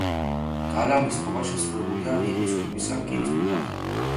გალავნის წყობა შესრულებულია რიყის ქვებისაგან კირის დუღაბზე.